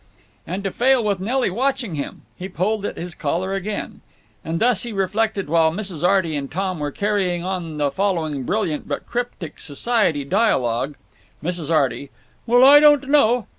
And to fail with Nelly watching him! He pulled at his collar again. Thus he reflected while Mrs. Arty and Tom were carrying on the following brilliant but cryptic society dialogue: Mrs. Arty: Well, I don't know.